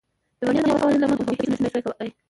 د برېټانیا د قوانینو له مخې هغوی هېڅ نه شوای کولای.